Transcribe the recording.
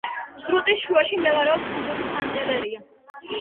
სრუტის შუაში მდებარეობს კუნძული პანტელერია.